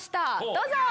どうぞ。